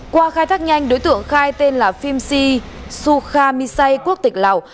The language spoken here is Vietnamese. qua khai thác nhanh đối tượng khai tên là phimsi sukhamisai quốc tịch lào